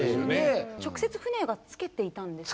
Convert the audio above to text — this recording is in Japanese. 直接船が着けていたんですか？